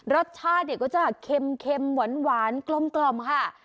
รสชาติเนี่ยก็จะเค็มหวานกลมค่ะ